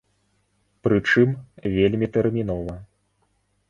Пры чым, вельмі тэрмінова.